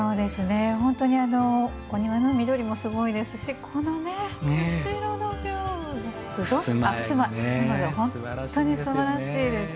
本当に、お庭の緑もすごいですしこの後ろのふすまが本当にすばらしいですね。